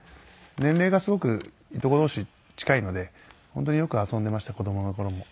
年齢がすごくいとこ同士近いので本当によく遊んでました子供の頃も。